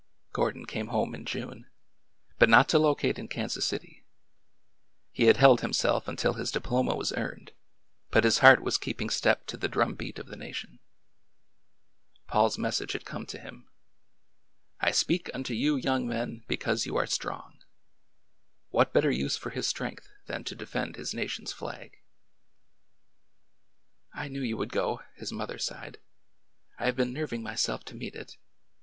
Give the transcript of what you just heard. Gordon came home in June— but not to locate in Kan sas City. He had held himself until his diploma was earned, but his heart was keeping step to the drum beat i88 ORDER NO. 11 of the nation. Pauhs message had come to him : I speak unto you young men because you are strong.'' What bet ter use for his strength than to defend his nation's flag? '' I knew you would go," his mother sighed. '' I have been nerving myself to meet it.